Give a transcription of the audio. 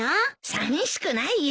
さみしくないよ。